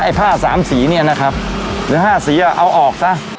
ผ้าสามสีเนี่ยนะครับหรือห้าสีอ่ะเอาออกซะ